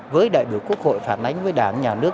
với đại biểu quốc hội phản ánh với đảng nhà nước